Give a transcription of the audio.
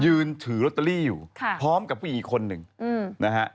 ยืนถือลอตเตอรี่อยู่พร้อมกับผู้หญิงอีกคนหนึ่งนะฮะ